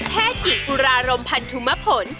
แค่กี่กุราลมพันธุมพล